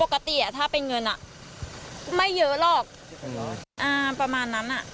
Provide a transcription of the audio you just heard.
ปกติถ้าเป็นเงินอ่ะไม่เยอะหรอกประมาณนั้นอ่ะ